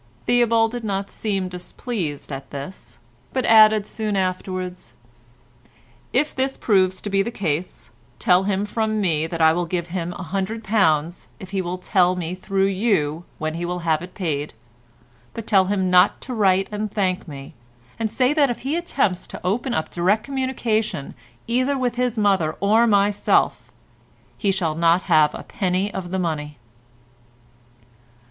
Theobald did not seem displeased at this, but added soon afterwards: "If this proves to be the case, tell him from me that I will give him a hundred pounds if he will tell me through you when he will have it paid, but tell him not to write and thank me, and say that if he attempts to open up direct communication either with his mother or myself, he shall not have a penny of the money."